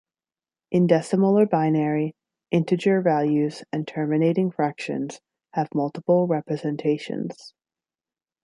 In decimal or binary, integer values and terminating fractions have multiple representations.